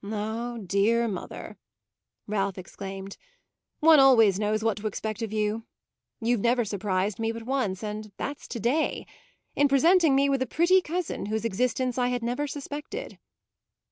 "Ah, dear mother," Ralph exclaimed, "one always knows what to expect of you! You've never surprised me but once, and that's to day in presenting me with a pretty cousin whose existence I had never suspected."